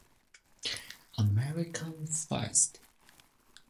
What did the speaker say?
Triple Crown winner.